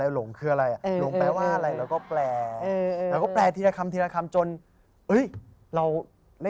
แล้วก็เลยหลงรักคนมีองผสาน